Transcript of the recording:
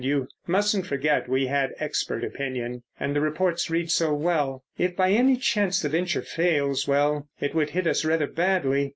You mustn't forget we had expert opinion, and the reports read so well. If by any chance the venture fails—well, it would hit us rather badly.